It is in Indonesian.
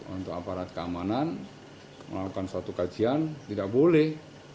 untuk aparat keamanan melakukan suatu kajian tidak boleh